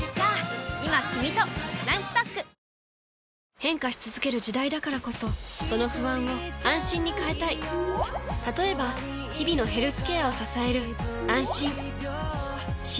変化し続ける時代だからこそその不安を「あんしん」に変えたい例えば日々のヘルスケアを支える「あんしん」